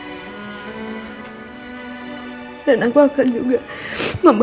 gak akan pernah tau